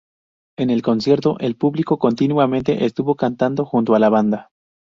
En el concierto, el público continuamente estuvo cantando junto a la banda.